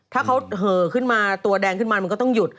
ถ้าเขาเหอขึ้นมาตัวแดงขึ้นมามันก็ต้องหยุด